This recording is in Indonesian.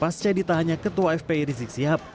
pascai di tanya ketua fpi rizik sihab